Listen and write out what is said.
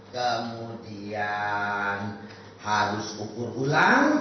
kemudian harus ukur ulang